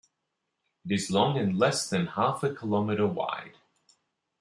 It is long and less than half a kilometre wide.